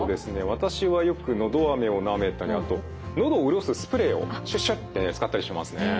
私はよくのどあめをなめたりあとのどを潤すスプレーをシュッシュッて使ったりしますね。